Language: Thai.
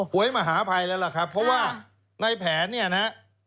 หวยมหาภัยแล้วล่ะครับเพราะว่าในแผนเนี่ยนะฮะ